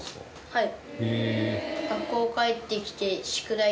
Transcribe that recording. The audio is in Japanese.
はい。